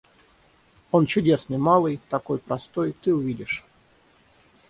Он чудесный малый, такой простой - ты увидишь.